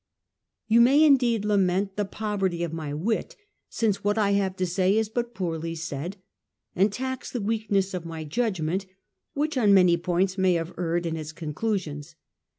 You may indeed lament the poverty of my wit, since what I have to say is but poorly said; and tax the weakness of my judgment, which on many points may have erred in its conclusions.